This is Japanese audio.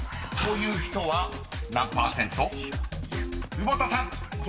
［久保田さん］